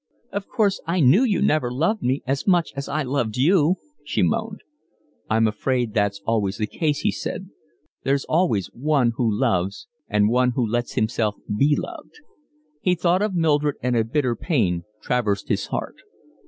"Of course I knew you never loved me as much as I loved you," she moaned. "I'm afraid that's always the case," he said. "There's always one who loves and one who lets himself be loved." He thought of Mildred, and a bitter pain traversed his heart.